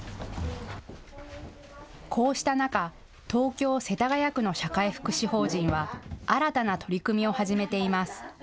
こうした中、東京・世田谷区の社会福祉法人は新たな取り組みを始めています。